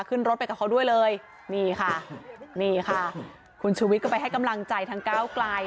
ขึ้นรถไปกับเขาด้วยเลยนี่ค่ะนี่ค่ะคุณชูวิทย์ก็ไปให้กำลังใจทางก้าวไกล